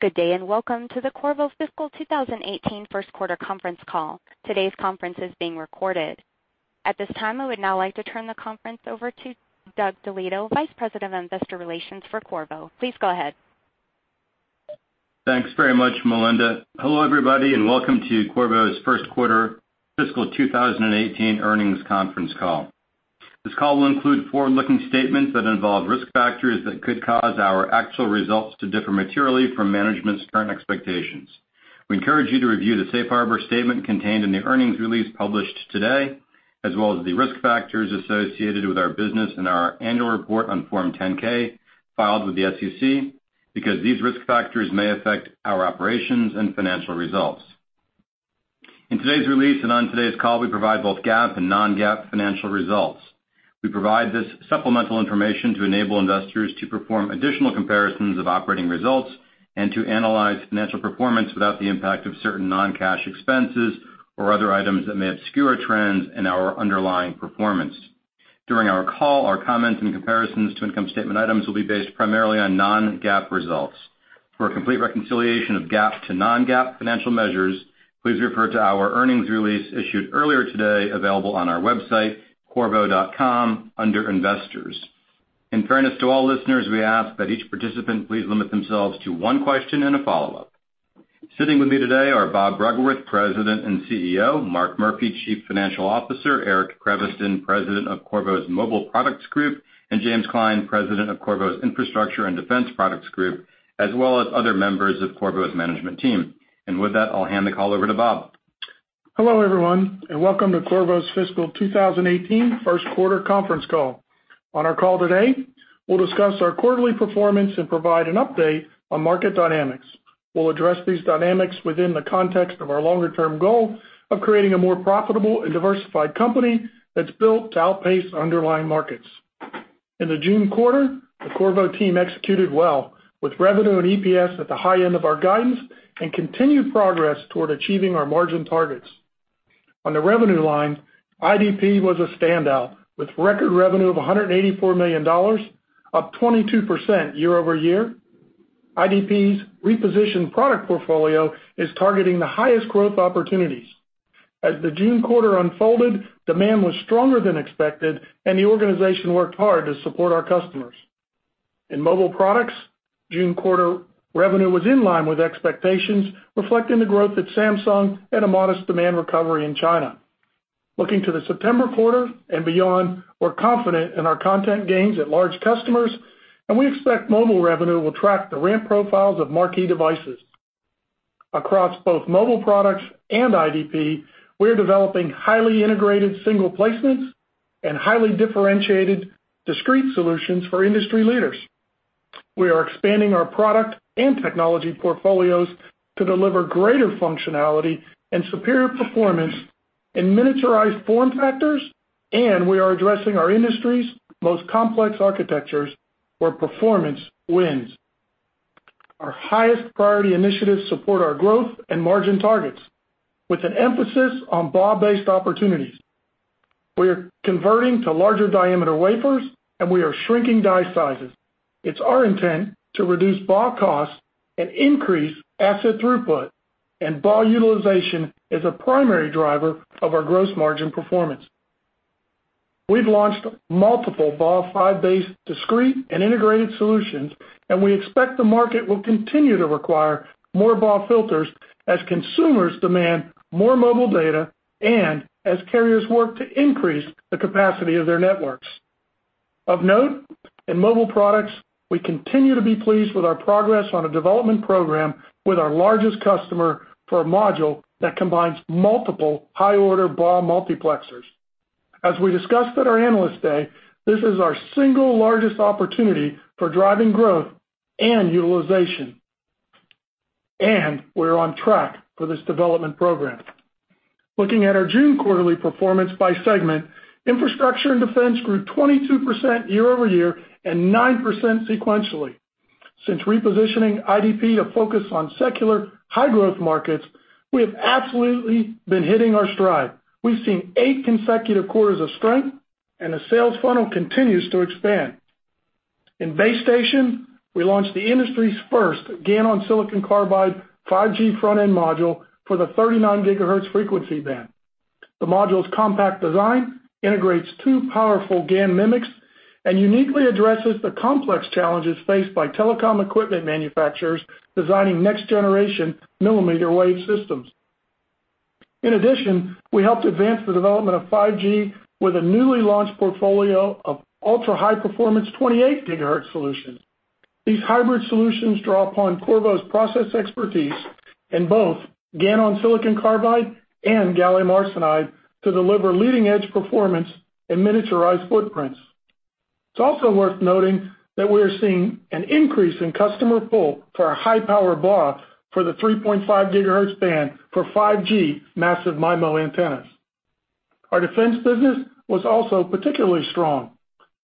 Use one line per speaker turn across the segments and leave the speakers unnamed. Good day, and welcome to Qorvo's Fiscal 2018 First Quarter Conference call. Today's conference is being recorded. At this time, I would now like to turn the conference over to Doug DeLieto, Vice President of Investor Relations for Qorvo. Please go ahead.
Thanks very much, Melinda. Hello, everybody, and welcome to Qorvo's first quarter fiscal 2018 earnings conference call. This call will include forward-looking statements that involve risk factors that could cause our actual results to differ materially from management's current expectations. We encourage you to review the safe harbor statement contained in the earnings release published today, as well as the risk factors associated with our business in our annual report on Form 10-K filed with the SEC. These risk factors may affect our operations and financial results. In today's release and on today's call, we provide both GAAP and non-GAAP financial results. We provide this supplemental information to enable investors to perform additional comparisons of operating results and to analyze financial performance without the impact of certain non-cash expenses or other items that may obscure trends in our underlying performance. During our call, our comments and comparisons to income statement items will be based primarily on non-GAAP results. For a complete reconciliation of GAAP to non-GAAP financial measures, please refer to our earnings release issued earlier today, available on our website, qorvo.com, under Investors. In fairness to all listeners, we ask that each participant please limit themselves to one question and a follow-up. Sitting with me today are Bob Bruggeworth, President and CEO, Mark Murphy, Chief Financial Officer, Eric Creviston, President of Qorvo's Mobile Products Group, and James Klein, President of Qorvo's Infrastructure and Defense Products Group, as well as other members of Qorvo's management team. With that, I'll hand the call over to Bob.
Hello, everyone, and welcome to Qorvo's fiscal 2018 first quarter conference call. On our call today, we'll discuss our quarterly performance and provide an update on market dynamics. We'll address these dynamics within the context of our longer-term goal of creating a more profitable and diversified company that's built to outpace underlying markets. In the June quarter, the Qorvo team executed well, with revenue and EPS at the high end of our guidance and continued progress toward achieving our margin targets. On the revenue line, IDP was a standout with record revenue of $184 million, up 22% year-over-year. IDP's repositioned product portfolio is targeting the highest growth opportunities. As the June quarter unfolded, demand was stronger than expected, and the organization worked hard to support our customers. In mobile products, June quarter revenue was in line with expectations, reflecting the growth at Samsung and a modest demand recovery in China. Looking to the September quarter and beyond, we're confident in our content gains at large customers, and we expect mobile revenue will track the ramp profiles of marquee devices. Across both mobile products and IDP, we are developing highly integrated single placements and highly differentiated discrete solutions for industry leaders. We are expanding our product and technology portfolios to deliver greater functionality and superior performance in miniaturized form factors, and we are addressing our industry's most complex architectures where performance wins. Our highest priority initiatives support our growth and margin targets, with an emphasis on BAW-based opportunities. We are converting to larger diameter wafers, and we are shrinking die sizes. It's our intent to reduce BAW costs and increase asset throughput. BAW utilization is a primary driver of our gross margin performance. We've launched multiple BAW 5-based discrete and integrated solutions, and we expect the market will continue to require more BAW filters as consumers demand more mobile data and as carriers work to increase the capacity of their networks. Of note, in mobile products, we continue to be pleased with our progress on a development program with our largest customer for a module that combines multiple high-order BAW multiplexers. As we discussed at our Analyst Day, this is our single largest opportunity for driving growth and utilization. We're on track for this development program. Looking at our June quarterly performance by segment, Infrastructure and Defense grew 22% year-over-year and 9% sequentially. Since repositioning IDP to focus on secular high-growth markets, we have absolutely been hitting our stride. We've seen eight consecutive quarters of strength, and the sales funnel continues to expand. In base station, we launched the industry's first GaN on silicon carbide 5G front-end module for the 39 gigahertz frequency band. The module's compact design integrates two powerful GaN MMICs and uniquely addresses the complex challenges faced by telecom equipment manufacturers designing next-generation millimeter wave systems. In addition, we helped advance the development of 5G with a newly launched portfolio of ultra-high performance 28 gigahertz solutions. These hybrid solutions draw upon Qorvo's process expertise in both GaN on silicon carbide and gallium arsenide to deliver leading-edge performance and miniaturized footprints. It's also worth noting that we are seeing an increase in customer pull for our high-power BAW for the 3.5 gigahertz band for 5G massive MIMO antennas. Our defense business was also particularly strong.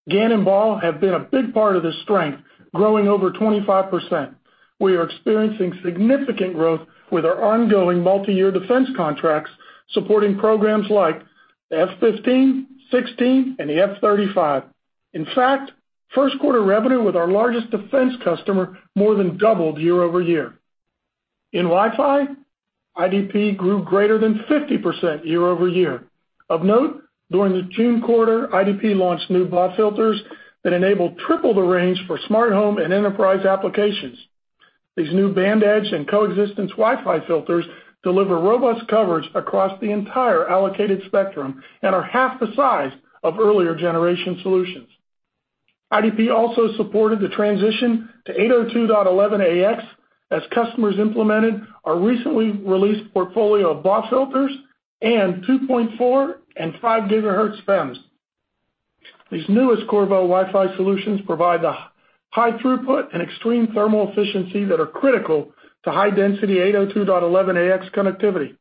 GaN and BAW have been a big part of this strength, growing over 25%. We are experiencing significant growth with our ongoing multi-year defense contracts supporting programs like the F-15, 16, and the F-35. In fact, first quarter revenue with our largest defense customer more than doubled year-over-year. In Wi-Fi, IDP grew greater than 50% year-over-year. Of note, during the June quarter, IDP launched new BAW filters that enabled triple the range for smart home and enterprise applications. These new band edge and coexistence Wi-Fi filters deliver robust coverage across the entire allocated spectrum and are half the size of earlier generation solutions. IDP also supported the transition to 802.11ax as customers implemented our recently released portfolio of BAW filters and 2.4 and 5 GHz FEMs. These newest Qorvo Wi-Fi solutions provide the high throughput and extreme thermal efficiency that are critical to high-density 802.11ax connectivity.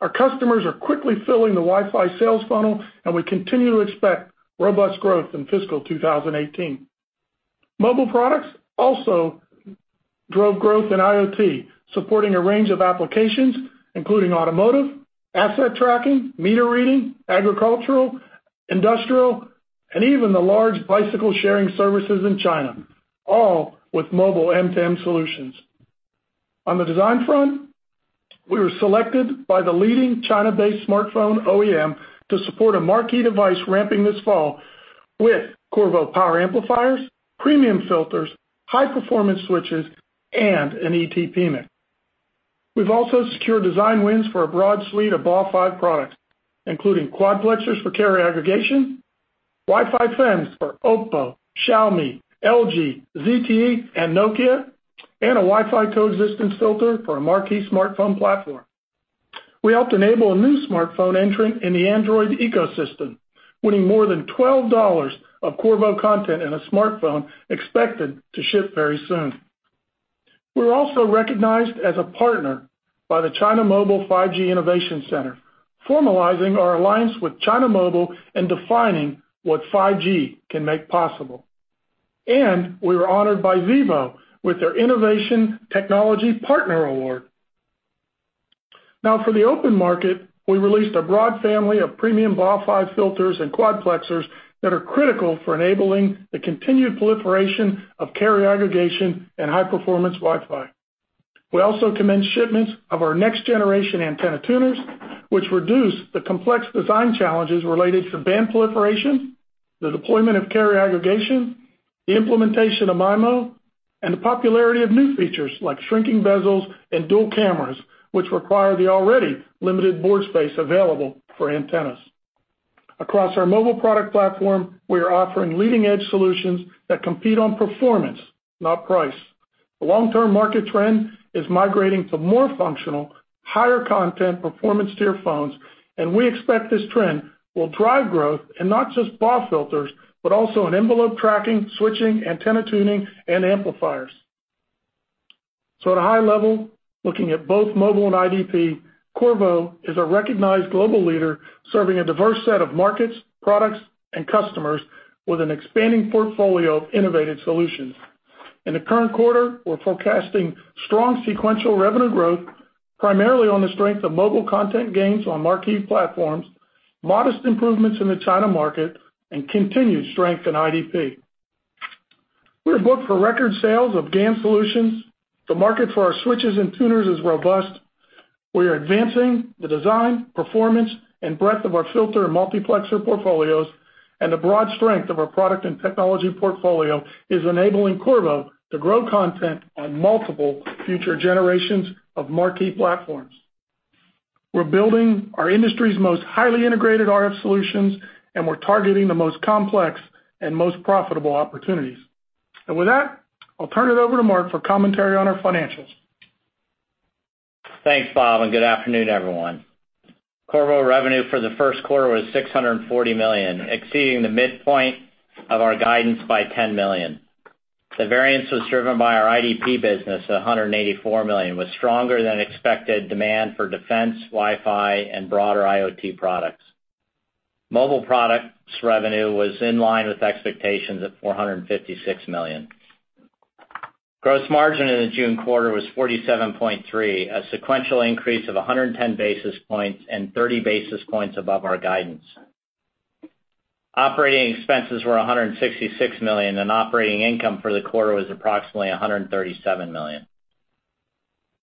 Our customers are quickly filling the Wi-Fi sales funnel, and we continue to expect robust growth in fiscal 2018. Mobile Products also drove growth in IoT, supporting a range of applications, including automotive, asset tracking, meter reading, agricultural, industrial, and even the large bicycle-sharing services in China, all with mobile FEM solutions. On the design front, we were selected by the leading China-based smartphone OEM to support a marquee device ramping this fall with Qorvo power amplifiers, premium filters, high-performance switches, and an ET. We've also secured design wins for a broad suite of BAW 5 products, including quadplexers for carrier aggregation, Wi-Fi FEMs for Oppo, Xiaomi, LG, ZTE, and Nokia, and a Wi-Fi coexistence filter for a marquee smartphone platform. We helped enable a new smartphone entrant in the Android ecosystem, winning more than $12 of Qorvo content in a smartphone expected to ship very soon. We're also recognized as a partner by the China Mobile 5G Innovation Center, formalizing our alliance with China Mobile and defining what 5G can make possible. We were honored by Vivo with their Innovation Technology Partner Award. For the open market, we released a broad family of premium BAW 5 filters and quadplexers that are critical for enabling the continued proliferation of carrier aggregation and high-performance Wi-Fi. We also commenced shipments of our next-generation antenna tuners, which reduce the complex design challenges related to band proliferation, the deployment of carrier aggregation, the implementation of MIMO, and the popularity of new features like shrinking bezels and dual cameras, which require the already limited board space available for antennas. Across our Mobile Products platform, we are offering leading-edge solutions that compete on performance, not price. The long-term market trend is migrating to more functional, higher content, performance-tier phones, and we expect this trend will drive growth in not just BAW filters, but also in envelope tracking, switching, antenna tuning, and amplifiers. At a high level, looking at both mobile and IDP, Qorvo is a recognized global leader serving a diverse set of markets, products, and customers with an expanding portfolio of innovative solutions. In the current quarter, we're forecasting strong sequential revenue growth, primarily on the strength of mobile content gains on marquee platforms, modest improvements in the China market, and continued strength in IDP. We're booked for record sales of BAW solutions. The market for our switches and tuners is robust. We are advancing the design, performance, and breadth of our filter and multiplexer portfolios, and the broad strength of our product and technology portfolio is enabling Qorvo to grow content on multiple future generations of marquee platforms. We're building our industry's most highly integrated RF solutions, and we're targeting the most complex and most profitable opportunities. With that, I'll turn it over to Mark for commentary on our financials.
Thanks, Bob. Good afternoon, everyone. Qorvo revenue for the first quarter was $640 million, exceeding the midpoint of our guidance by $10 million. The variance was driven by our IDP business at $184 million, with stronger-than-expected demand for defense, Wi-Fi, and broader IoT products. Mobile Products revenue was in line with expectations at $456 million. Gross margin in the June quarter was 47.3%, a sequential increase of 110 basis points and 30 basis points above our guidance. Operating expenses were $166 million. Operating income for the quarter was approximately $137 million.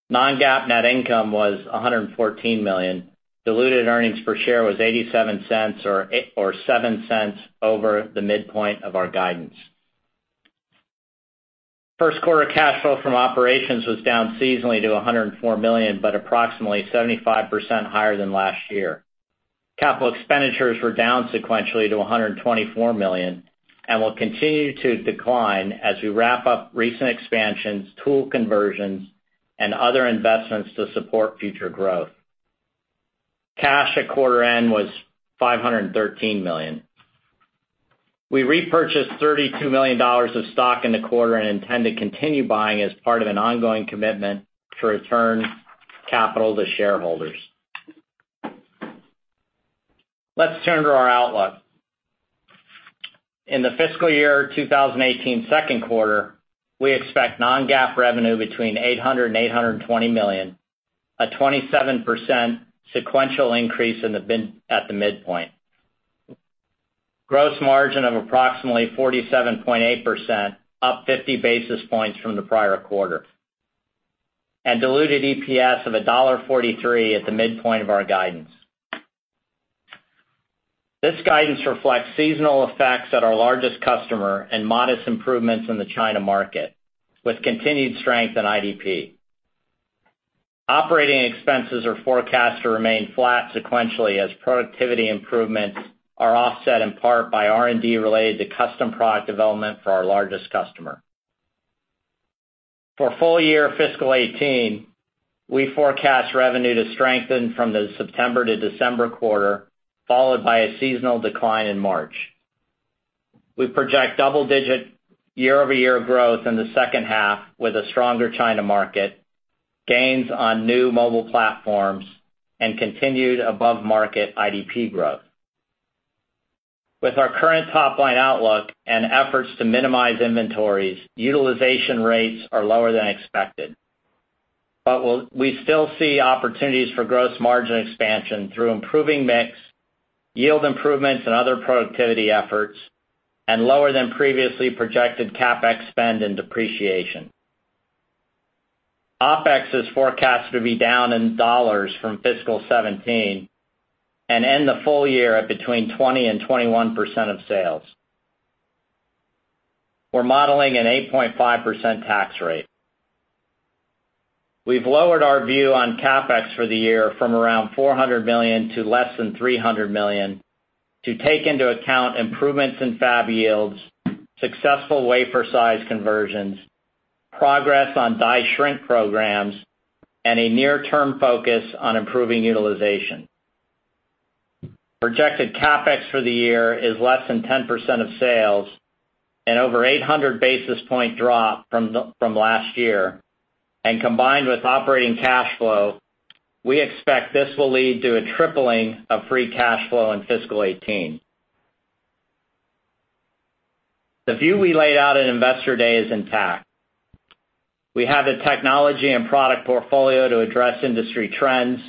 Non-GAAP net income was $114 million. Diluted earnings per share was $0.87, or $0.07 over the midpoint of our guidance. First quarter cash flow from operations was down seasonally to $104 million, approximately 75% higher than last year. Capital expenditures were down sequentially to $124 million. We will continue to decline as we wrap up recent expansions, tool conversions, and other investments to support future growth. Cash at quarter end was $513 million. We repurchased $32 million of stock in the quarter. We intend to continue buying as part of an ongoing commitment to return capital to shareholders. Let's turn to our outlook. In the fiscal year 2018 second quarter, we expect non-GAAP revenue between $800 million and $820 million, a 27% sequential increase at the midpoint. Gross margin of approximately 47.8%, up 50 basis points from the prior quarter. Diluted EPS of $1.43 at the midpoint of our guidance. This guidance reflects seasonal effects at our largest customer, modest improvements in the China market, with continued strength in IDP. Operating expenses are forecast to remain flat sequentially as productivity improvements are offset in part by R&D related to custom product development for our largest customer. For full year fiscal 2018, we forecast revenue to strengthen from the September to December quarter, followed by a seasonal decline in March. We project double-digit year-over-year growth in the second half, with a stronger China market, gains on new mobile platforms, continued above-market IDP growth. With our current top-line outlook, efforts to minimize inventories, utilization rates are lower than expected. We still see opportunities for gross margin expansion through improving mix, yield improvements and other productivity efforts, lower than previously projected CapEx spend and depreciation. OpEx is forecast to be down in dollars from fiscal 2017, and end the full year at between 20% and 21% of sales. We're modeling an 8.5% tax rate. We've lowered our view on CapEx for the year from around $400 million to less than $300 million to take into account improvements in fab yields, successful wafer size conversions, progress on die shrink programs, a near-term focus on improving utilization. Projected CapEx for the year is less than 10% of sales, an over 800 basis point drop from last year. Combined with operating cash flow, we expect this will lead to a tripling of free cash flow in fiscal 2018. The view we laid out at Investor Day is intact. We have the technology and product portfolio to address industry trends,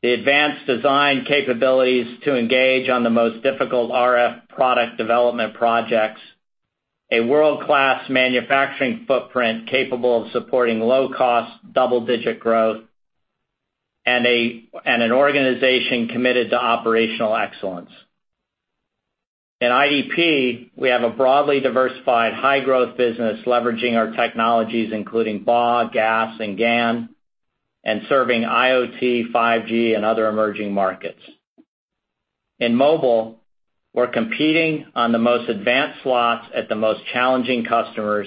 the advanced design capabilities to engage on the most difficult RF product development projects, a world-class manufacturing footprint capable of supporting low-cost, double-digit growth, an organization committed to operational excellence. In IDP, we have a broadly diversified, high-growth business leveraging our technologies, including BAW, GaAs, and GaN, and serving IoT, 5G, and other emerging markets. In mobile, we're competing on the most advanced slots at the most challenging customers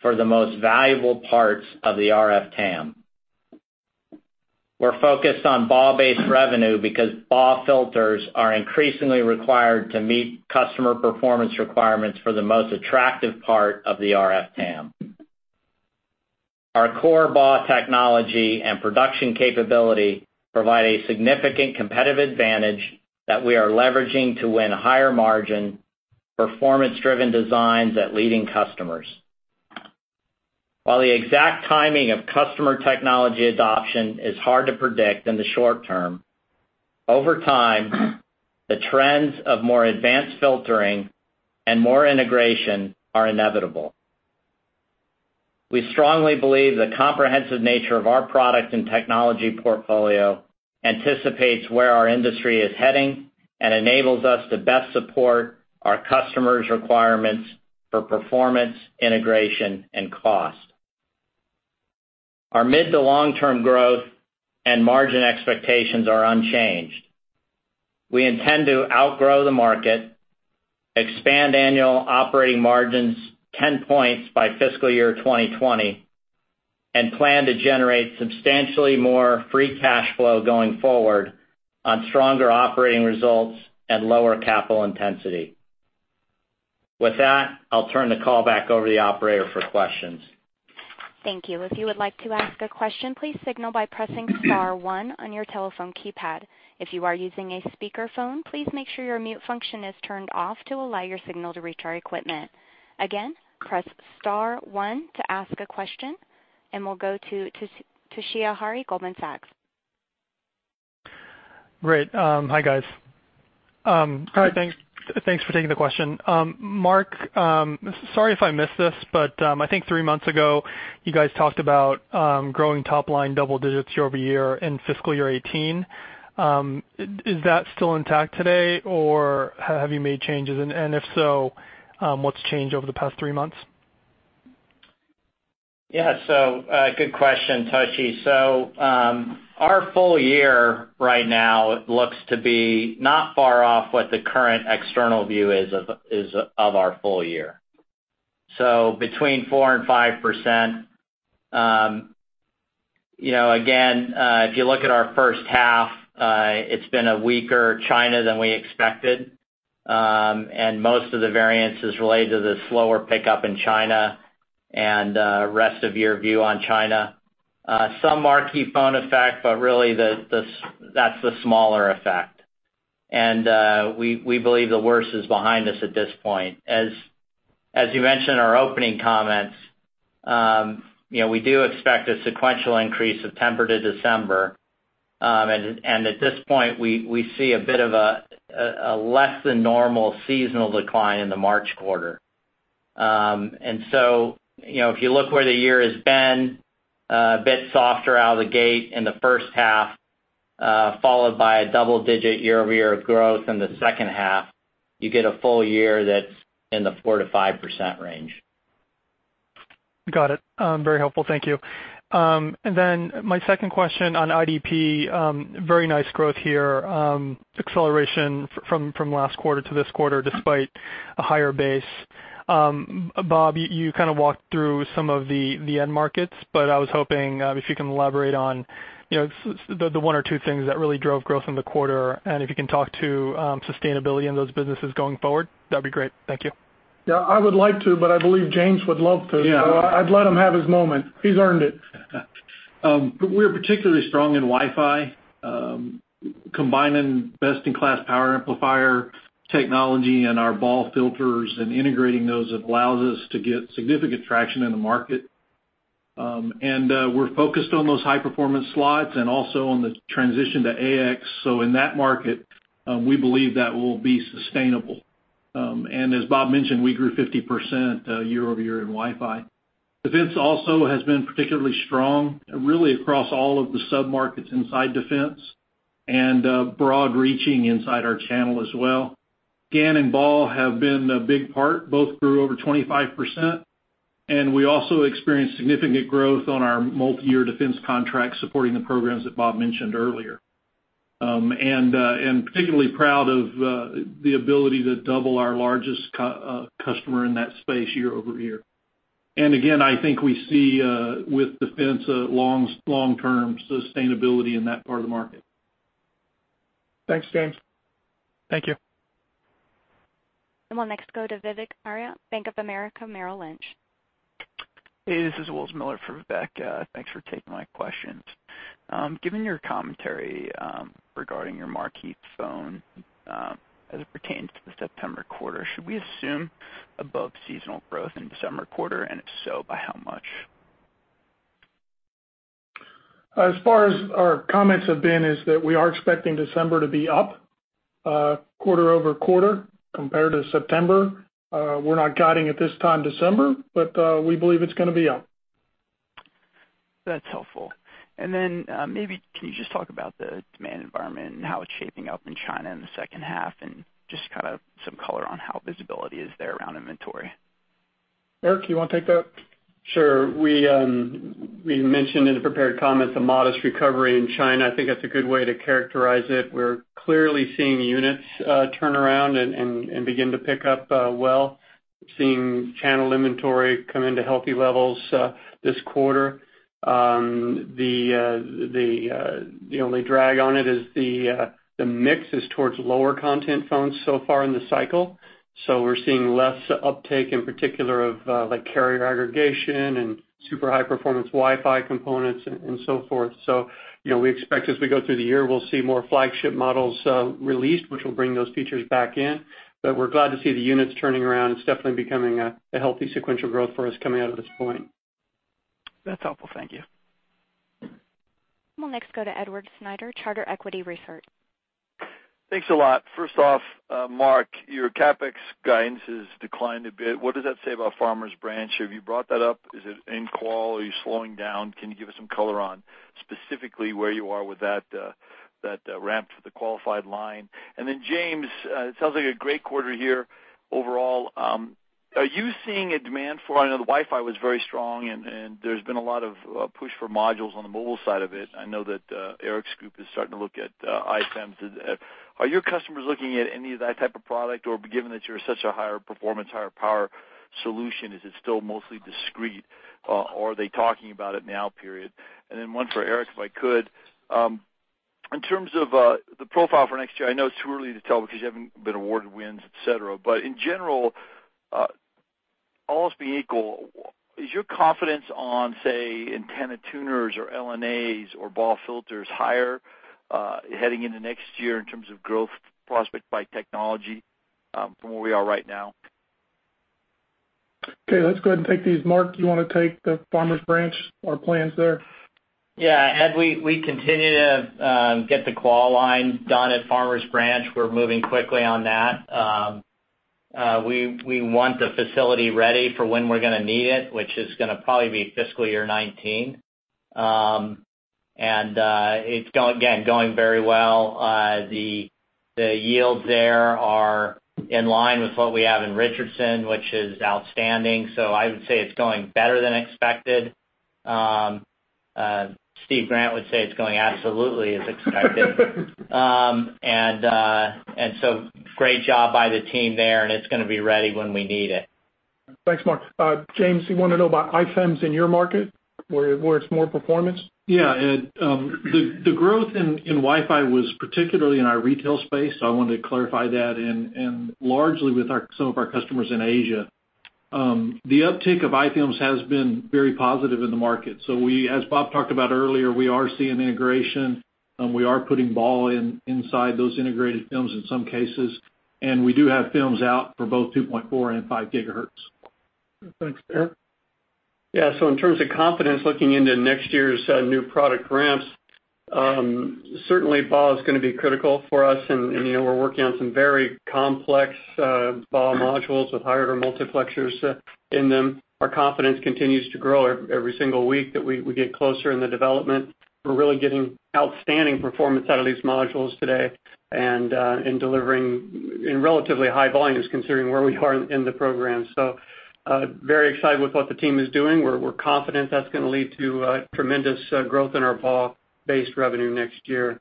for the most valuable parts of the RF TAM. We're focused on BAW-based revenue because BAW filters are increasingly required to meet customer performance requirements for the most attractive part of the RF TAM. Our core BAW technology and production capability provide a significant competitive advantage that we are leveraging to win higher margin, performance-driven designs at leading customers. While the exact timing of customer technology adoption is hard to predict in the short term, over time, the trends of more advanced filtering and more integration are inevitable. We strongly believe the comprehensive nature of our product and technology portfolio anticipates where our industry is heading and enables us to best support our customers' requirements for performance, integration, and cost. Our mid to long-term growth and margin expectations are unchanged. We intend to outgrow the market, expand annual operating margins 10 points by fiscal year 2020, and plan to generate substantially more free cash flow going forward on stronger operating results and lower capital intensity. With that, I'll turn the call back over to the operator for questions.
Thank you. If you would like to ask a question, please signal by pressing star one on your telephone keypad. If you are using a speakerphone, please make sure your mute function is turned off to allow your signal to reach our equipment. Again, press star one to ask a question. We'll go to Toshiya Hari, Goldman Sachs.
Great. Hi, guys.
Hi.
Thanks for taking the question. Mark, sorry if I missed this. I think three months ago, you guys talked about growing top line double digits year-over-year in fiscal year 2018. Is that still intact today, or have you made changes? If so, what's changed over the past three months?
Yeah, good question, Toshi. Our full year right now looks to be not far off what the current external view is of our full year. Between 4% and 5%. Again, if you look at our first half, it's been a weaker China than we expected. Most of the variance is related to the slower pickup in China and rest of year view on China. Some marquee phone effect, really that's the smaller effect We believe the worst is behind us at this point. As you mentioned in our opening comments, we do expect a sequential increase September to December. At this point, we see a bit of a less than normal seasonal decline in the March quarter. If you look where the year has been, a bit softer out of the gate in the first half, followed by a double-digit year-over-year growth in the second half, you get a full year that's in the 4% to 5% range.
Got it. Very helpful. Thank you. My second question on IDP, very nice growth here. Acceleration from last quarter to this quarter despite a higher base. Bob, you kind of walked through some of the end markets. I was hoping if you can elaborate on the one or two things that really drove growth in the quarter, if you can talk to sustainability in those businesses going forward, that'd be great. Thank you.
Yeah, I would like to, but I believe James would love to.
Yeah.
I'd let him have his moment. He's earned it.
We're particularly strong in Wi-Fi, combining best-in-class power amplifier technology and our BAW filters and integrating those, it allows us to get significant traction in the market. We're focused on those high-performance slots and also on the transition to AX. In that market, we believe that will be sustainable. As Bob mentioned, we grew 50% year-over-year in Wi-Fi. Defense also has been particularly strong, really across all of the sub-markets inside defense, and broad reaching inside our channel as well. GaN and BAW have been a big part, both grew over 25%, and we also experienced significant growth on our multi-year defense contract supporting the programs that Bob mentioned earlier. Particularly proud of the ability to double our largest customer in that space year-over-year. Again, I think we see, with defense, a long-term sustainability in that part of the market.
Thanks, James.
Thank you.
We'll next go to Vivek Arya, Bank of America Merrill Lynch.
Hey, this is Willis Miller for Vivek. Thanks for taking my questions. Given your commentary regarding your marquee phone, as it pertains to the September quarter, should we assume above-seasonal growth in December quarter, and if so, by how much?
As far as our comments have been, is that we are expecting December to be up quarter-over-quarter compared to September. We're not guiding at this time December, but we believe it's going to be up.
That's helpful. Maybe can you just talk about the demand environment and how it's shaping up in China in the second half, and just kind of some color on how visibility is there around inventory?
Eric, you want to take that?
Sure. We mentioned in the prepared comments a modest recovery in China. I think that's a good way to characterize it. We're clearly seeing units turn around and begin to pick up well, seeing channel inventory come into healthy levels, this quarter. The only drag on it is the mix is towards lower content phones so far in the cycle, so we're seeing less uptake in particular of carrier aggregation and super high-performance Wi-Fi components and so forth. We expect as we go through the year, we'll see more flagship models released, which will bring those features back in. We're glad to see the units turning around. It's definitely becoming a healthy sequential growth for us coming out of this point.
That's helpful. Thank you.
We'll next go to Edward Snyder, Charter Equity Research.
Thanks a lot. First off, Mark, your CapEx guidance has declined a bit. What does that say about Farmers Branch? Have you brought that up? Is it in qual? Are you slowing down? Can you give us some color on specifically where you are with that ramp for the qualified line? James, it sounds like a great quarter here overall. Are you seeing a demand? I know the Wi-Fi was very strong, and there's been a lot of push for modules on the mobile side of it. I know that Eric's group is starting to look at iFEMs. Are your customers looking at any of that type of product, or given that you're such a higher performance, higher power solution, is it still mostly discrete, or are they talking about it now, period? One for Eric, if I could. In terms of the profile for next year, I know it's too early to tell because you haven't been awarded wins, et cetera, in general, all else being equal, is your confidence on, say, antenna tuners or LNAs or BAW filters higher, heading into next year in terms of growth prospect by technology, from where we are right now?
Okay, let's go ahead and take these. Mark, do you want to take the Farmers Branch, our plans there?
Ed, we continue to get the qual line done at Farmers Branch. We're moving quickly on that. We want the facility ready for when we're going to need it, which is going to probably be fiscal year 2019. It's, again, going very well. The yields there are in line with what we have in Richardson, which is outstanding. I would say it's going better than expected. Steve Grant would say it's going absolutely as expected. Great job by the team there, and it's going to be ready when we need it.
Thanks, Mark. James, you want to know about iFEMs in your market, where it's more performance?
Ed. The growth in Wi-Fi was particularly in our retail space, I wanted to clarify that, largely with some of our customers in Asia. The uptake of iFEMs has been very positive in the market. As Bob talked about earlier, we are seeing integration. We are putting BAW inside those integrated FEMs in some cases, and we do have FEMs out for both 2.4 and 5 gigahertz.
Thanks, Eric.
Yeah. In terms of confidence looking into next year's new product ramps, certainly BAW is going to be critical for us, and we're working on some very complex BAW modules with higher order multiplexers in them. Our confidence continues to grow every single week that we get closer in the development. We're really getting outstanding performance out of these modules today and in delivering in relatively high volumes considering where we are in the program. Very excited with what the team is doing. We're confident that's going to lead to tremendous growth in our BAW-based revenue next year.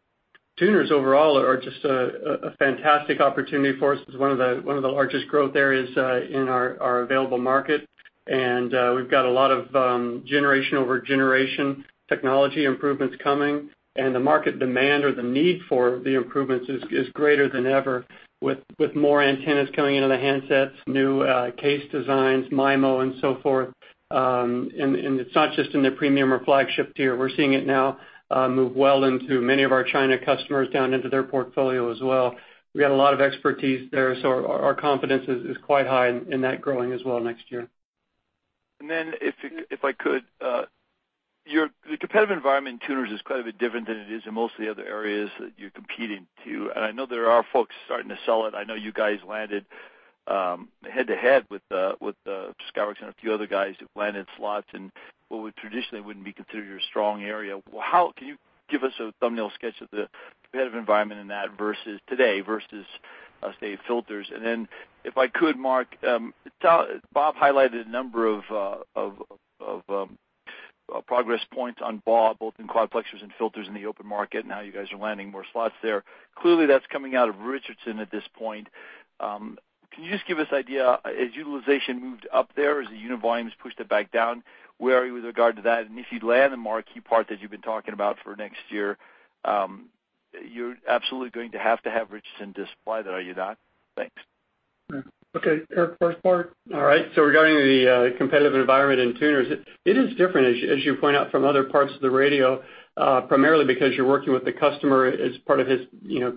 Tuners overall are just a fantastic opportunity for us. It's one of the largest growth areas in our available market, and we've got a lot of generation-over-generation technology improvements coming, and the market demand or the need for the improvements is greater than ever with more antennas coming into the handsets, new case designs, MIMO, and so forth. It's not just in the premium or flagship tier. We're seeing it now move well into many of our China customers down into their portfolio as well. We've got a lot of expertise there, so our confidence is quite high in that growing as well next year.
If I could, the competitive environment in tuners is quite a bit different than it is in most of the other areas that you're competing to. I know there are folks starting to sell it. I know you guys landed head-to-head with Skyworks and a few other guys that landed slots in what would traditionally wouldn't be considered your strong area. Can you give us a thumbnail sketch of the competitive environment in that versus today versus, say, filters? If I could, Mark, Bob highlighted a number of progress points on BAW, both in quadplexers and filters in the open market and how you guys are landing more slots there. Clearly, that's coming out of Richardson at this point. Can you just give us idea, as utilization moved up there, as the unit volumes pushed it back down, where are you with regard to that? If you land the marquee part that you've been talking about for next year, you're absolutely going to have to have Richardson to supply that, are you not? Thanks.
Okay, Eric, first part.
Regarding the competitive environment in tuners, it is different, as you point out, from other parts of the radio, primarily because you're working with the customer as part of his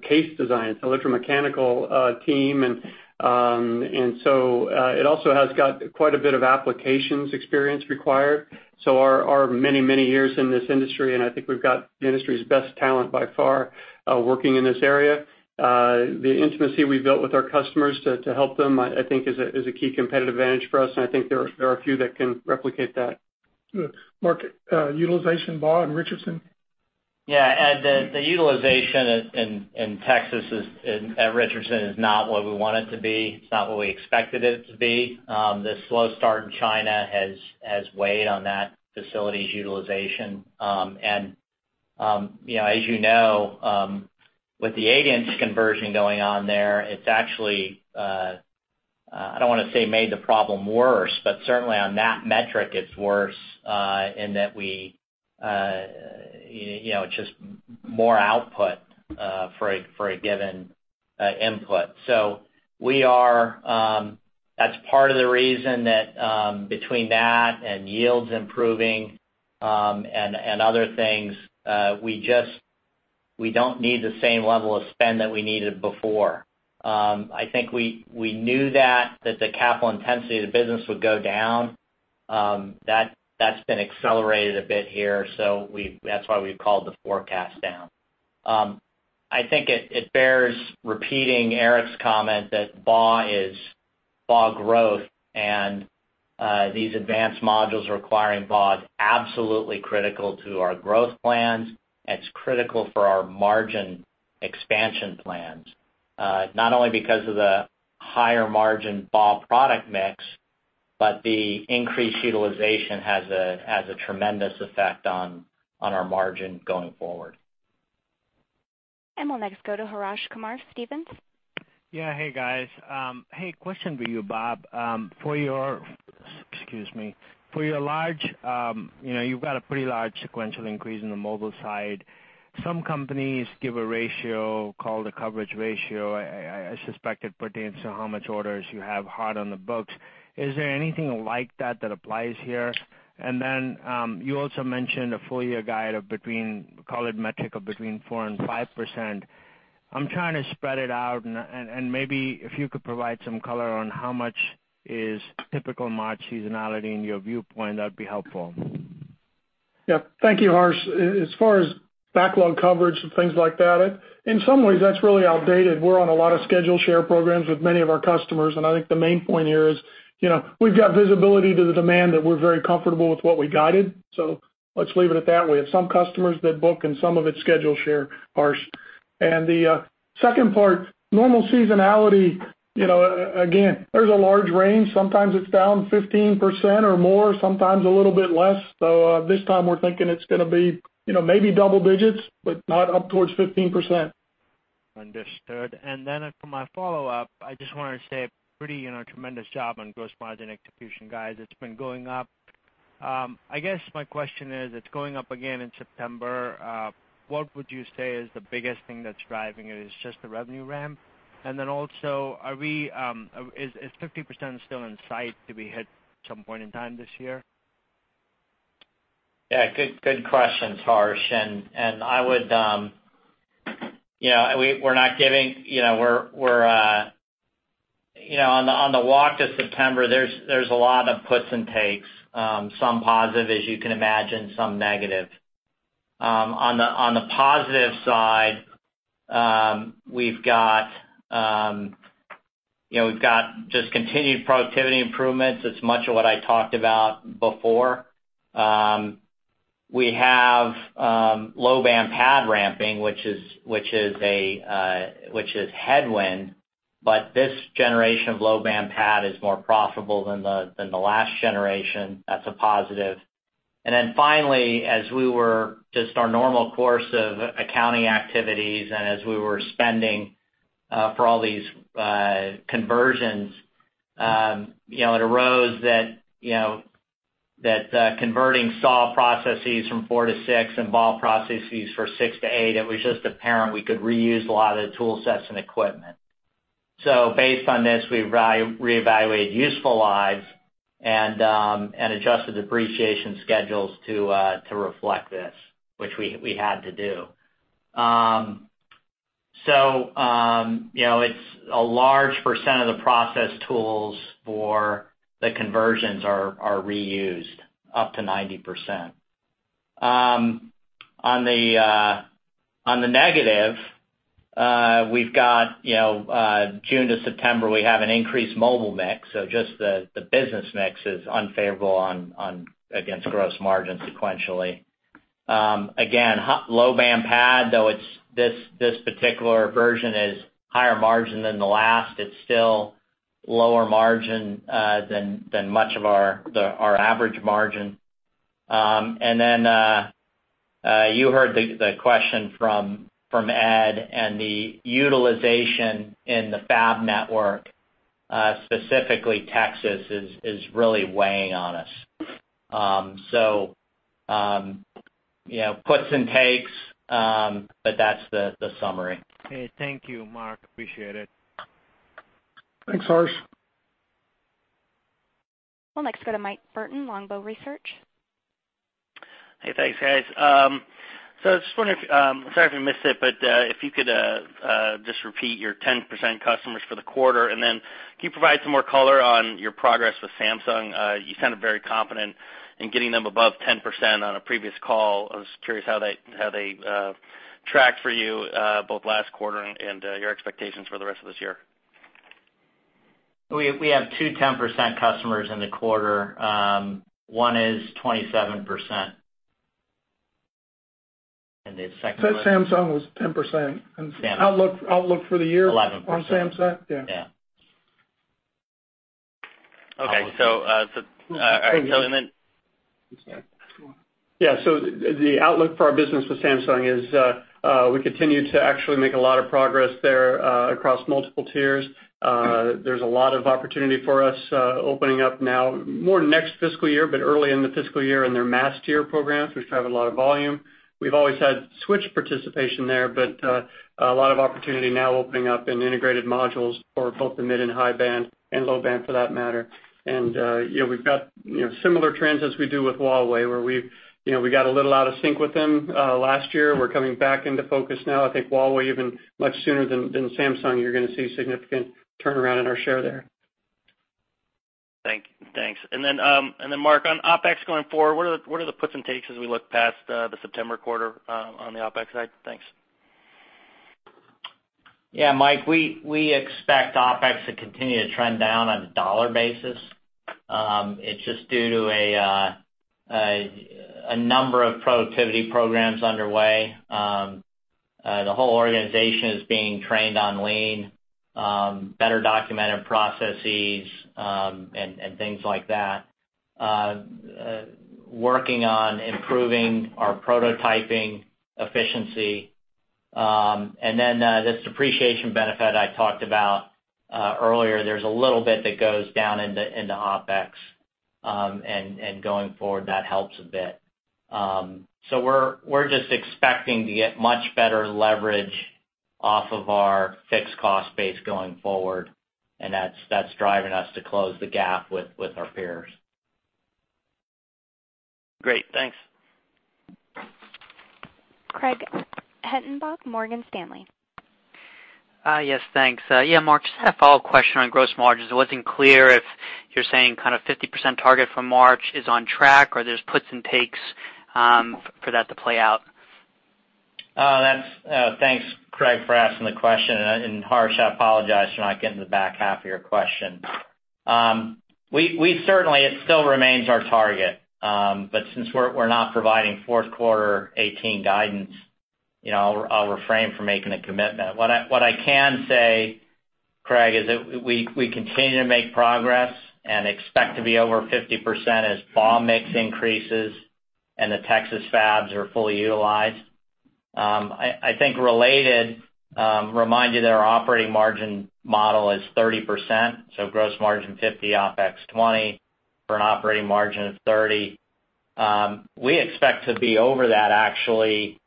case design, it's an electromechanical team. It also has got quite a bit of applications experience required. Our many, many years in this industry, and I think we've got the industry's best talent by far working in this area. The intimacy we've built with our customers to help them, I think, is a key competitive advantage for us, and I think there are a few that can replicate that.
Mark, utilization BAW in Richardson.
Ed, the utilization in Texas at Richardson is not what we want it to be. It's not what we expected it to be. The slow start in China has weighed on that facility's utilization. As you know, with the eight-inch conversion going on there, it's actually, I don't want to say made the problem worse, but certainly on that metric, it's worse, in that it's just more output for a given input. That's part of the reason that between that and yields improving, and other things, we don't need the same level of spend that we needed before. I think we knew that the capital intensity of the business would go down. That's been accelerated a bit here, that's why we've called the forecast down. I think it bears repeating Eric's comment that BAW growth and these advanced modules requiring BAW is absolutely critical to our growth plans, and it's critical for our margin expansion plans. Not only because of the higher margin BAW product mix, but the increased utilization has a tremendous effect on our margin going forward.
We'll next go to Harsh Kumar, Stephens.
Yeah. Hey, guys. Hey, question for you, Bob. You've got a pretty large sequential increase in the mobile side. Some companies give a ratio called a coverage ratio. I suspect it pertains to how much orders you have hard on the books. Is there anything like that that applies here? Then, you also mentioned a full-year guide of between, call it metric of between 4% and 5%. I'm trying to spread it out, and maybe if you could provide some color on how much is typical March seasonality in your viewpoint, that'd be helpful.
Thank you, Harsh. As far as backlog coverage and things like that, in some ways, that's really outdated. We're on a lot of schedule share programs with many of our customers. I think the main point here is we've got visibility to the demand that we're very comfortable with what we guided. Let's leave it at that way. It's some customers that book and some of it's schedule share, Harsh. The second part, normal seasonality, again, there's a large range. Sometimes it's down 15% or more, sometimes a little bit less. This time, we're thinking it's going to be maybe double digits, but not up towards 15%.
Understood. Then for my follow-up, I just want to say, pretty tremendous job on gross margin execution, guys. It's been going up. I guess my question is, it's going up again in September. What would you say is the biggest thing that's driving it? Is it just the revenue ramp? Also, is 50% still in sight to be hit at some point in time this year?
Good question, Harsh. On the walk to September, there's a lot of puts and takes. Some positive, as you can imagine, some negative. On the positive side, we've got just continued productivity improvements. It's much of what I talked about before. We have Low-Band PAD ramping, which is headwind, but this generation of Low-Band PAD is more profitable than the last generation. That's a positive. Then finally, as we were just our normal course of accounting activities, as we were spending for all these conversions, it arose that converting SAW processes from four to six and BAW processes for six to eight, it was just apparent we could reuse a lot of the tool sets and equipment. Based on this, we reevaluated useful lives and adjusted depreciation schedules to reflect this, which we had to do. A large percent of the process tools for the conversions are reused, up to 90%. On the negative, June to September, we have an increased mobile mix, so just the business mix is unfavorable against gross margin sequentially. Again, Low-Band PAD, though this particular version is higher margin than the last, it's still lower margin than much of our average margin. Then, you heard the question from Ed, and the utilization in the fab network, specifically Texas, is really weighing on us. Puts and takes, but that's the summary.
Okay. Thank you, Mark. Appreciate it.
Thanks, Harsh.
We'll next go to Michael Burton, Longbow Research.
Hey, thanks, guys. I was just wondering, sorry if you missed it, but if you could just repeat your 10% customers for the quarter, and then can you provide some more color on your progress with Samsung? You sounded very confident in getting them above 10% on a previous call. I was just curious how they tracked for you both last quarter and your expectations for the rest of this year.
We have two 10% customers in the quarter. One is 27%, and the second one.
Said Samsung was 10%.
Samsung.
Outlook for the year.
11%
on Samsung?
Yeah.
Okay. All right. Then?
Yeah. The outlook for our business with Samsung is, we continue to actually make a lot of progress there across multiple tiers. There is a lot of opportunity for us opening up now, more next fiscal year, but early in the fiscal year in their mass tier programs, which have a lot of volume. We have always had switch participation there, but a lot of opportunity now opening up in integrated modules for both the mid and high band, and low band for that matter. We have got similar trends as we do with Huawei, where we got a little out of sync with them last year. We are coming back into focus now. I think Huawei even much sooner than Samsung, you are going to see significant turnaround in our share there.
Thanks. Mark, on OpEx going forward, what are the puts and takes as we look past the September quarter on the OpEx side? Thanks.
Yeah, Mike. We expect OpEx to continue to trend down on a dollar basis. It is just due to a number of productivity programs underway. The whole organization is being trained on Lean, better documented processes, and things like that. Working on improving our prototyping efficiency. This depreciation benefit I talked about earlier, there is a little bit that goes down into OpEx. Going forward, that helps a bit. We are just expecting to get much better leverage off of our fixed cost base going forward, and that is driving us to close the gap with our peers.
Great, thanks.
Craig Hettenbach, Morgan Stanley.
Yes, thanks. Yeah, Mark, just a follow-up question on gross margins. It wasn't clear if you're saying kind of 50% target for March is on track, or there's puts and takes for that to play out.
Thanks, Craig, for asking the question, and Harsh, I apologize for not getting the back half of your question. It still remains our target. Since we're not providing fourth quarter 2018 guidance, I'll refrain from making a commitment. What I can say, Craig, is that we continue to make progress and expect to be over 50% as BAW mix increases and the Texas fabs are fully utilized. I think related, remind you that our operating margin model is 30%, so gross margin 50%, OpEx 20% for an operating margin of 30%. We expect to be over that actually,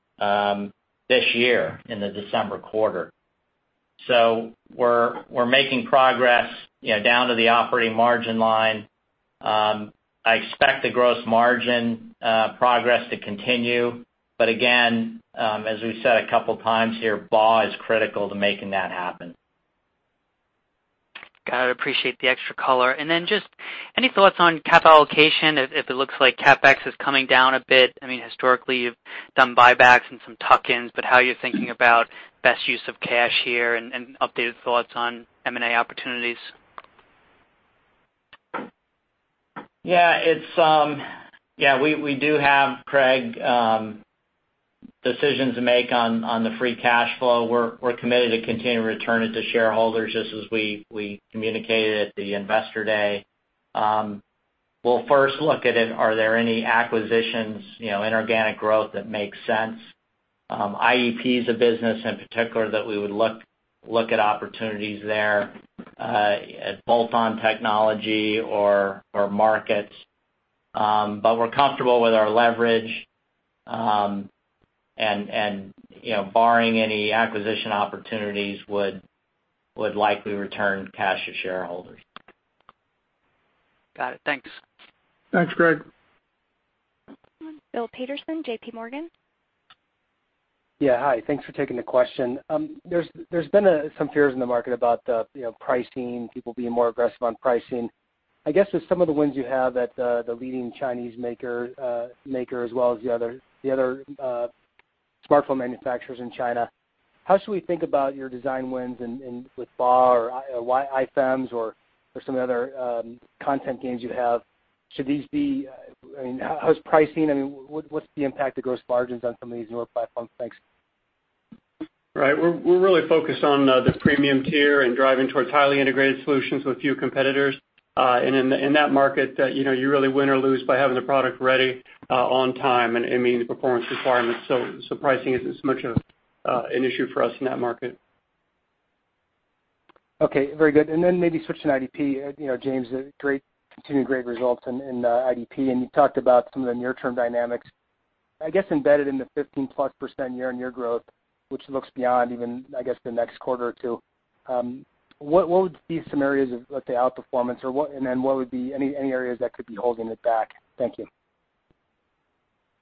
this year in the December quarter. We're making progress down to the operating margin line. I expect the gross margin progress to continue. Again, as we've said a couple times here, BAW is critical to making that happen.
Got it. Appreciate the extra color. Just any thoughts on cap allocation if it looks like CapEx is coming down a bit? I mean, historically, you've done buybacks and some tuck-ins, but how you're thinking about best use of cash here and updated thoughts on M&A opportunities.
Yeah. We do have, Craig, decisions to make on the free cash flow. We're committed to continuing to return it to shareholders just as we communicated at the investor day. We'll first look at it, are there any acquisitions, inorganic growth that makes sense? IDP is a business in particular that we would look at opportunities there, at bolt-on technology or markets. We're comfortable with our leverage, and barring any acquisition opportunities would likely return cash to shareholders.
Got it. Thanks.
Thanks, Craig.
Bill Peterson, JPMorgan.
Hi. Thanks for taking the question. There has been some fears in the market about the pricing, people being more aggressive on pricing. I guess with some of the wins you have at the leading Chinese maker as well as the other smartphone manufacturers in China, how should we think about your design wins with BAW or iFEMs or some of the other content gains you have? How is pricing, I mean, what is the impact to gross margins on some of these newer platforms? Thanks.
Right. We are really focused on the premium tier and driving towards highly integrated solutions with few competitors. In that market, you really win or lose by having the product ready on time and meeting the performance requirements. Pricing is not as much of an issue for us in that market.
Okay. Very good. Then maybe switching to IDP. James, continued great results in IDP, and you talked about some of the near-term dynamics. I guess embedded in the 15%+ year-on-year growth, which looks beyond even the next quarter or two, what would be some areas of, let us say, outperformance, and what would be any areas that could be holding it back? Thank you.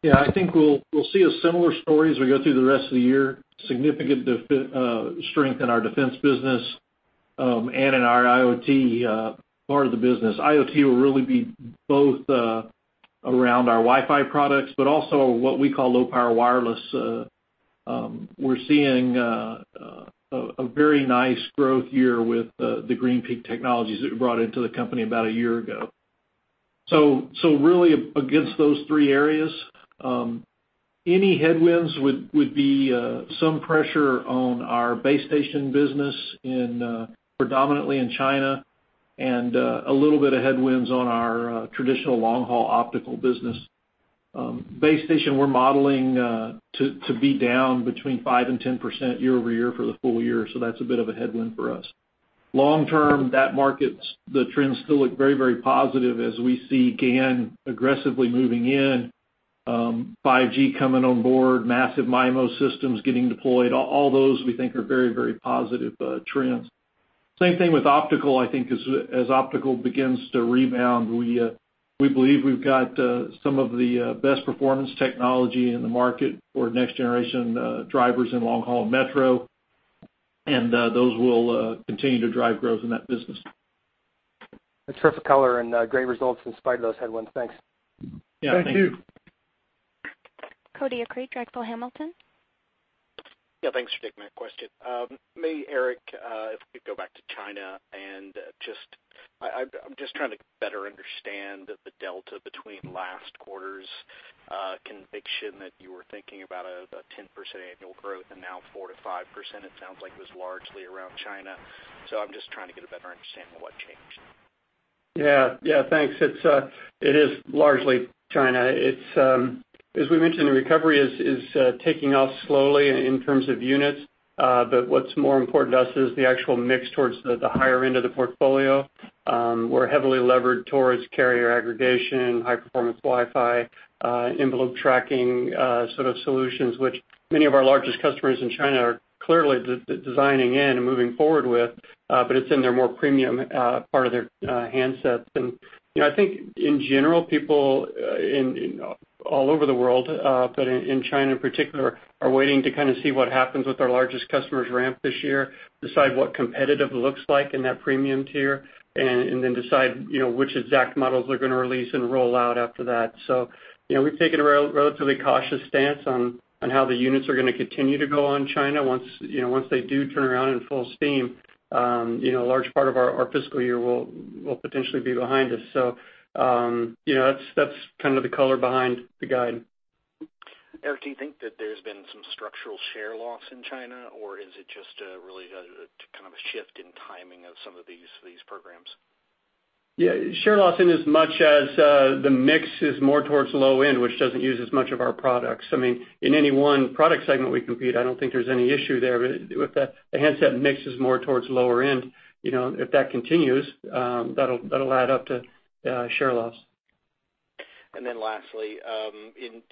Yeah, I think we'll see a similar story as we go through the rest of the year. Significant strength in our defense business, and in our IoT part of the business. IoT will really be both around our Wi-Fi products, but also what we call low-power wireless. We're seeing a very nice growth year with the GreenPeak Technologies that we brought into the company about a year ago. Really against those three areas, any headwinds would be some pressure on our base station business predominantly in China, and a little bit of headwinds on our traditional long-haul optical business. Base station, we're modeling to be down between 5%-10% year-over-year for the full year, so that's a bit of a headwind for us. Long term, that market, the trends still look very positive as we see GaN aggressively moving in, 5G coming on board, massive MIMO systems getting deployed. All those we think are very positive trends. Same thing with optical, I think as optical begins to rebound, we believe we've got some of the best performance technology in the market for next-generation drivers in long-haul metro, and those will continue to drive growth in that business.
That's terrific color and great results in spite of those headwinds. Thanks.
Yeah, thank you.
Thank you.
Cody Acree, Drexel Hamilton.
Yeah, thanks for taking my question. Maybe Eric, if we could go back to China and I'm just trying to better understand the delta between last quarter's conviction that you were thinking about a 10% annual growth and now 4%-5%. It sounds like it was largely around China. I'm just trying to get a better understanding of what changed.
Yeah. Thanks. It is largely China. As we mentioned, the recovery is taking off slowly in terms of units. What's more important to us is the actual mix towards the higher end of the portfolio. We're heavily levered towards carrier aggregation, high-performance Wi-Fi, envelope tracking sort of solutions, which many of our largest customers in China are clearly designing in and moving forward with, but it's in their more premium part of their handsets. I think in general, people all over the world, but in China in particular, are waiting to kind of see what happens with our largest customers' ramp this year, decide what competitive looks like in that premium tier, and then decide which exact models they're going to release and roll out after that. We've taken a relatively cautious stance on how the units are going to continue to go on China. Once they do turn around in full steam, a large part of our fiscal year will potentially be behind us. That's kind of the color behind the guide.
Eric, do you think that there's been some structural share loss in China, or is it just really kind of a shift in timing of some of these programs?
Yeah, share loss in as much as the mix is more towards low end, which doesn't use as much of our products. In any one product segment we compete, I don't think there's any issue there. If the handset mix is more towards lower end, if that continues, that'll add up to share loss.
Lastly,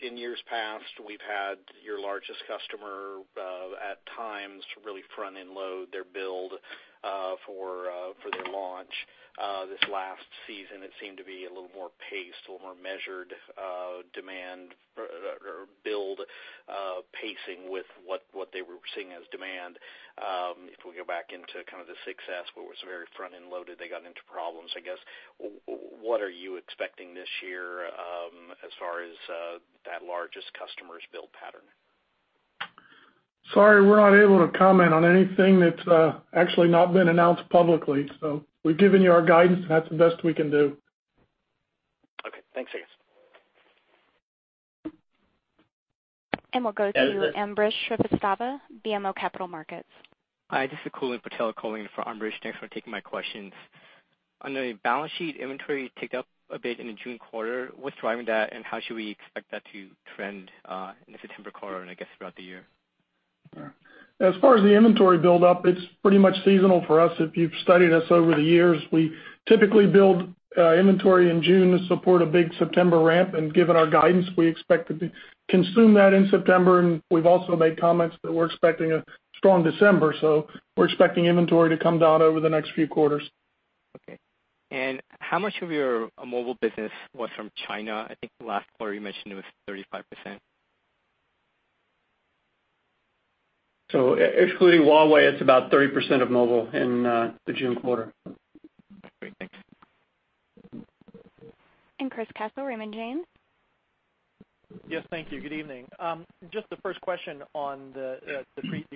in years past, we've had your largest customer, at times, really front-end load their build for their launch. This last season, it seemed to be a little more paced, a little more measured demand or build pacing with what they were seeing as demand. If we go back into kind of the success where it was very front-end loaded, they got into problems, I guess. What are you expecting this year as far as that largest customer's build pattern?
Sorry, we're not able to comment on anything that's actually not been announced publicly. We've given you our guidance, and that's the best we can do.
Okay, thanks guys.
We'll go to Ambrish Srivastava, BMO Capital Markets.
Hi, this is Kulin Patel calling for Ambrish. Thanks for taking my questions. On the balance sheet, inventory ticked up a bit in the June quarter. What's driving that, and how should we expect that to trend in the September quarter and I guess throughout the year?
As far as the inventory buildup, it's pretty much seasonal for us. If you've studied us over the years, we typically build inventory in June to support a big September ramp. Given our guidance, we expect to consume that in September. We've also made comments that we're expecting a strong December, we're expecting inventory to come down over the next few quarters.
Okay. How much of your mobile business was from China? I think last quarter you mentioned it was 35%.
Excluding Huawei, it's about 30% of mobile in the June quarter.
Great. Thanks.
Chris Caso, Raymond James.
Yes, thank you. Good evening. Just the first question on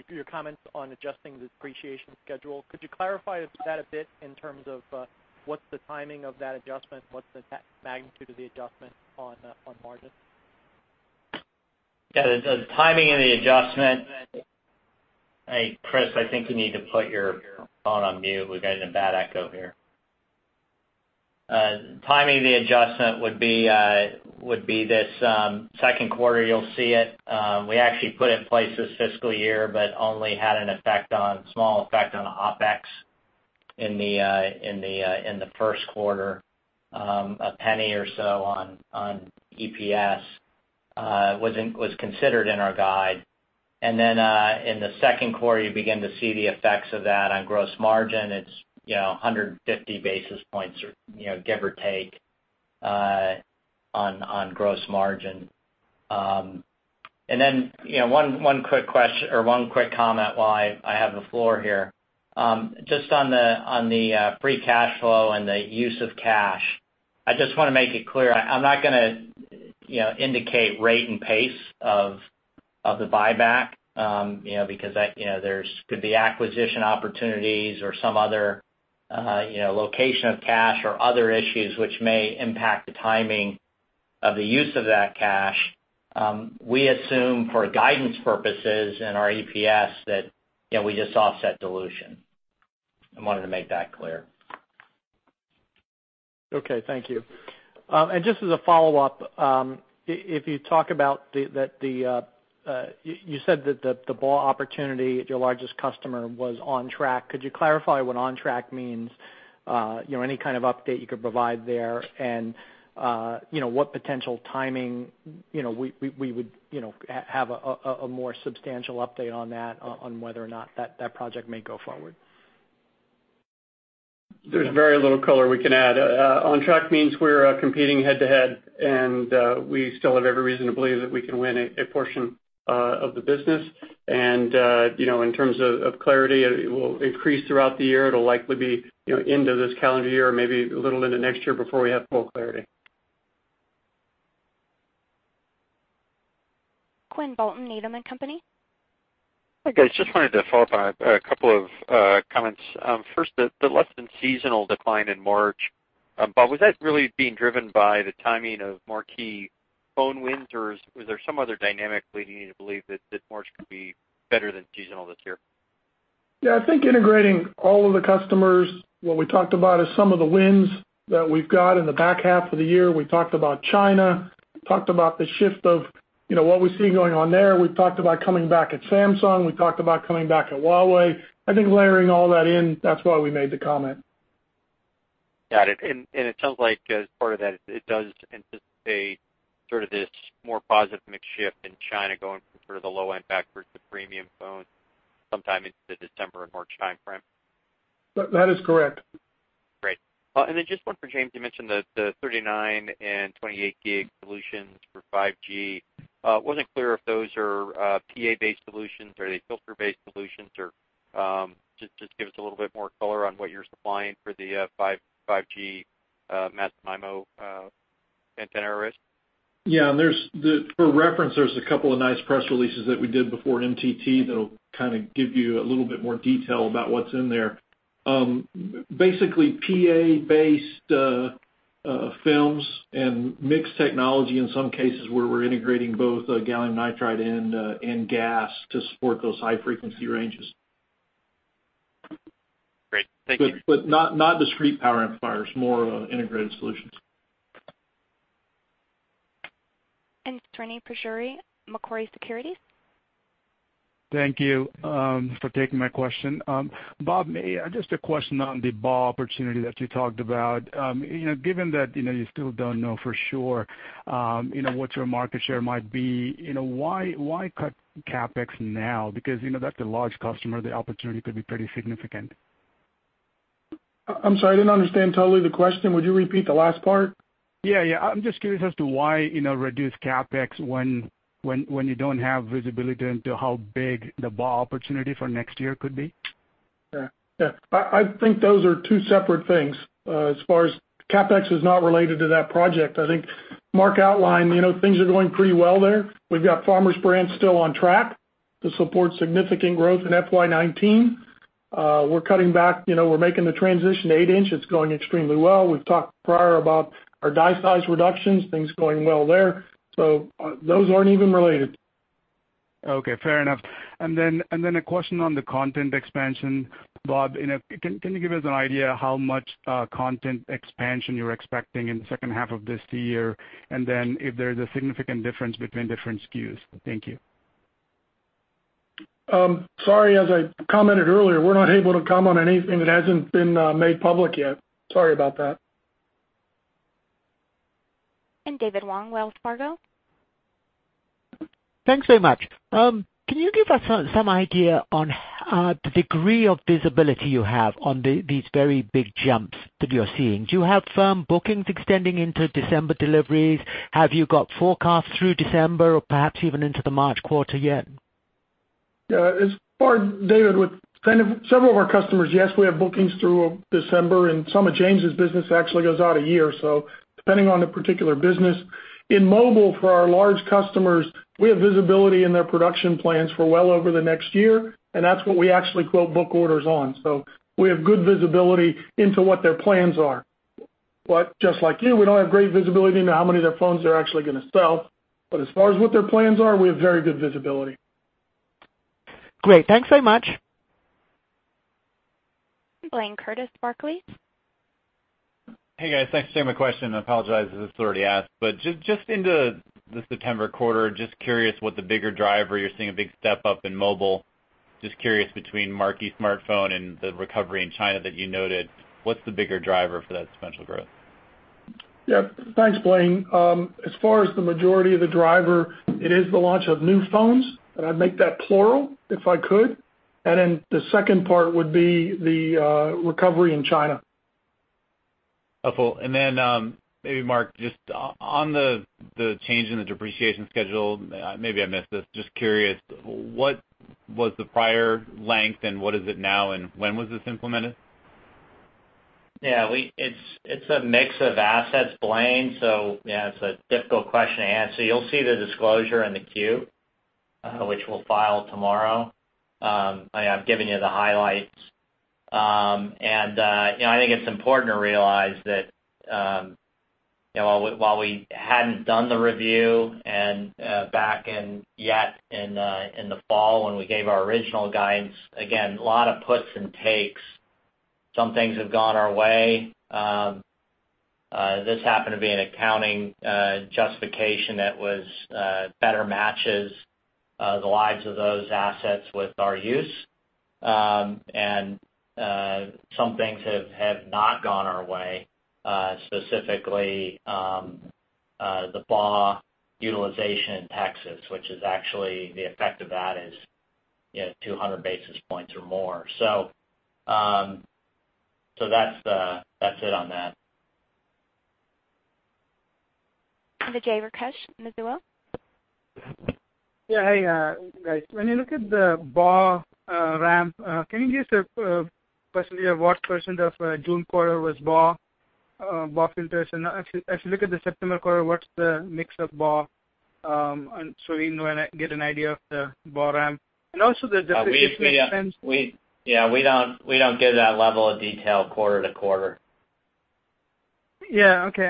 your comments on adjusting the depreciation schedule. Could you clarify that a bit in terms of what's the timing of that adjustment? What's the magnitude of the adjustment on margin?
The timing of the adjustment. Hey, Chris, I think you need to put your phone on mute. We're getting a bad echo here. Timing of the adjustment would be this second quarter, you'll see it. We actually put in place this fiscal year, but only had a small effect on the OpEx in the first quarter. A penny or so on EPS was considered in our guide. In the second quarter, you begin to see the effects of that on gross margin. It's 150 basis points, give or take, on gross margin. One quick comment while I have the floor here. Just on the free cash flow and the use of cash, I just want to make it clear, I'm not going to indicate rate and pace of the buyback, because there could be acquisition opportunities or some other location of cash or other issues which may impact the timing of the use of that cash. We assume for guidance purposes in our EPS that we just offset dilution. I wanted to make that clear.
Okay, thank you. Just as a follow-up, you said that the BAW opportunity at your largest customer was on track. Could you clarify what on track means? Any kind of update you could provide there and what potential timing we would have a more substantial update on that on whether or not that project may go forward?
There's very little color we can add. On track means we're competing head to head, and we still have every reason to believe that we can win a portion of the business. In terms of clarity, it will increase throughout the year. It'll likely be into this calendar year, maybe a little into next year before we have full clarity.
Quinn Bolton, Needham & Company.
Hi, guys. Just wanted to follow up on a couple of comments. First, the less than seasonal decline in March. Bob, was that really being driven by the timing of more key phone wins, or is there some other dynamic leading you to believe that March could be better than seasonal this year?
Yeah, I think integrating all of the customers, what we talked about is some of the wins that we've got in the back half of the year. We talked about China, talked about the shift of what we see going on there. We've talked about coming back at Samsung. We talked about coming back at Huawei. I think layering all that in, that's why we made the comment.
Got it. It sounds like as part of that, it does anticipate sort of this more positive mix shift in China going from sort of the low end back towards the premium phone sometime into the December and March timeframe.
That is correct.
Great. Just one for James. You mentioned the 39 and 28 gig solutions for 5G. Wasn't clear if those are PA-based solutions. Are they filter-based solutions? Or just give us a little bit more color on what you're supplying for the 5G massive MIMO antenna arrays.
Yeah. For reference, there's a couple of nice press releases that we did before MTT that'll kind of give you a little bit more detail about what's in there. Basically, PA-based FEMs and mixed technology in some cases where we're integrating both gallium nitride and GaAs to support those high-frequency ranges.
Great. Thank you.
Not discrete power amplifiers, more integrated solutions.
[Toshiya Hari], Macquarie Securities.
Thank you for taking my question. Bob, just a question on the BAW opportunity that you talked about. Given that you still don't know for sure what your market share might be, why cut CapEx now? That's a large customer, the opportunity could be pretty significant.
I'm sorry, I didn't understand totally the question. Would you repeat the last part?
Yeah. I'm just curious as to why reduce CapEx when you don't have visibility into how big the BAW opportunity for next year could be.
Yeah. I think those are two separate things. As far as CapEx is not related to that project. I think Mark outlined, things are going pretty well there. We've got Farmers Branch still on track to support significant growth in FY 2019. We're cutting back, we're making the transition to 8 inch. It's going extremely well. We've talked prior about our die size reductions, things going well there. Those aren't even related.
Okay, fair enough. A question on the content expansion. Bob, can you give us an idea how much content expansion you're expecting in the second half of this year? If there's a significant difference between different SKUs. Thank you.
Sorry, as I commented earlier, we're not able to comment on anything that hasn't been made public yet. Sorry about that.
David Wong, Wells Fargo.
Thanks so much. Can you give us some idea on the degree of visibility you have on these very big jumps that you're seeing? Do you have firm bookings extending into December deliveries? Have you got forecasts through December or perhaps even into the March quarter yet?
Yeah. As far, David, with kind of several of our customers, yes, we have bookings through December, some of James' business actually goes out a year, depending on the particular business. In mobile, for our large customers, we have visibility in their production plans for well over the next year, and that's what we actually quote book orders on. We have good visibility into what their plans are. Just like you, we don't have great visibility into how many of their phones they're actually going to sell. As far as what their plans are, we have very good visibility.
Great. Thanks very much.
Blayne Curtis, Barclays.
Hey, guys. Thanks for taking my question. I apologize if this was already asked, just into the September quarter, just curious what the bigger driver, you're seeing a big step-up in mobile. Just curious between marquee smartphone and the recovery in China that you noted, what's the bigger driver for that sequential growth?
Yeah, thanks, Blayne. As far as the majority of the driver, it is the launch of new phones, I'd make that plural if I could. The second part would be the recovery in China.
Helpful. Maybe Mark, just on the change in the depreciation schedule, maybe I missed this, just curious, what was the prior length and what is it now, and when was this implemented?
Yeah. It's a mix of assets, Blayne, so yeah, it's a difficult question to answer. You'll see the disclosure in the Q, which we'll file tomorrow. I'm giving you the highlights. I think it's important to realize that while we hadn't done the review back yet in the fall when we gave our original guidance, again, a lot of puts and takes. Some things have gone our way. This happened to be an accounting justification that better matches the lives of those assets with our use. Some things have not gone our way, specifically the BAW utilization in Texas, which is actually the effect of that is 200 basis points or more. That's it on that.
Vijay Rakesh, Mizuho.
Yeah. Hey, guys. When you look at the BAW ramp, can you give us personally what % of June quarter was BAW filters? As you look at the September quarter, what's the mix of BAW? So we get an idea of the BAW ramp.
Yeah, we don't give that level of detail quarter to quarter.
Yeah. Okay.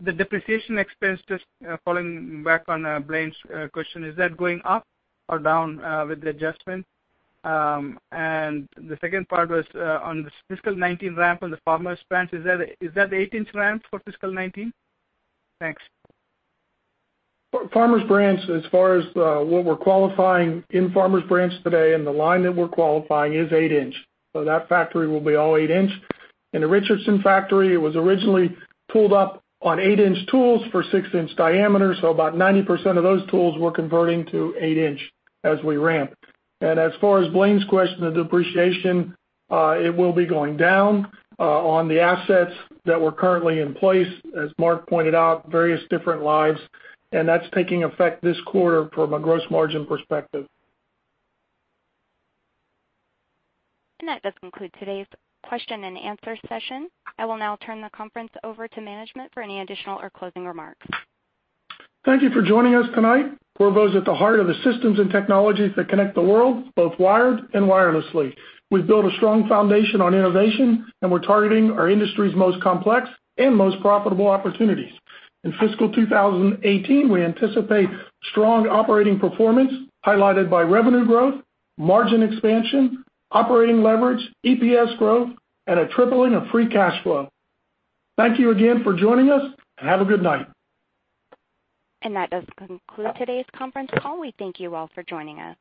The depreciation expense, just following back on Blayne's question, is that going up or down with the adjustment? The second part was on the fiscal 2019 ramp on the Farmers Branch, is that the 8-inch ramp for fiscal 2019? Thanks.
Farmers Branch, as far as what we're qualifying in Farmers Branch today, the line that we're qualifying is 8-inch. That factory will be all 8-inch. In the Richardson factory, it was originally tooled up on 8-inch tools for 6-inch diameter, about 90% of those tools we're converting to 8-inch as we ramp. As far as Blayne's question of depreciation, it will be going down on the assets that were currently in place, as Mark pointed out, various different lives, and that's taking effect this quarter from a gross margin perspective.
That does conclude today's question and answer session. I will now turn the conference over to management for any additional or closing remarks.
Thank you for joining us tonight. Qorvo's at the heart of the systems and technologies that connect the world, both wired and wirelessly. We've built a strong foundation on innovation, and we're targeting our industry's most complex and most profitable opportunities. In fiscal 2018, we anticipate strong operating performance highlighted by revenue growth, margin expansion, operating leverage, EPS growth, and a tripling of free cash flow. Thank you again for joining us. Have a good night.
That does conclude today's conference call. We thank you all for joining us.